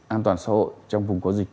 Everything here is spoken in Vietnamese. an toàn xã hội trong vùng có dịch